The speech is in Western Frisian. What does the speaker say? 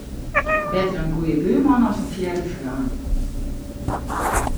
Better in goede buorman as in fiere freon.